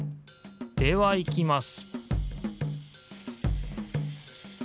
では行きます